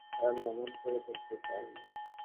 আমি অমন করে দেখতেই চাই নে।